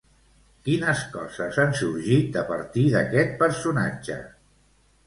Quines coses han sorgit a partir d'aquest personatge?